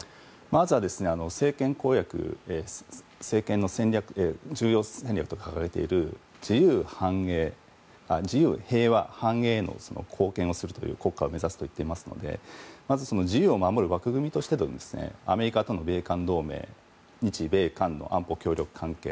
まずは、政権公約重要戦略として掲げている自由、平和、繁栄の貢献をする国家を目指すといっているのでまず、自由を守る枠組みとしてアメリカとの米韓同盟日米韓の安保協力関係